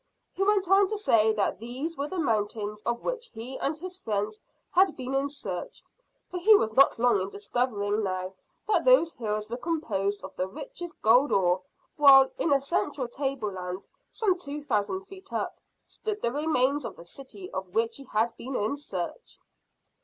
He went on to say that these were the mountains of which he and his friends had been in search, for he was not long in discovering now that those hills were composed of the richest gold ore, while in a central tableland some two thousand feet up stood the remains of the city of which he had been in search.